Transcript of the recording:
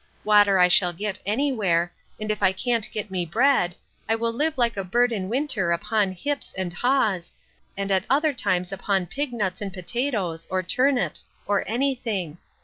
Water I shall get any where; and if I can't get me bread, I will live like a bird in winter upon hips and haws, and at other times upon pig nuts and potatoes, or turnips, or any thing.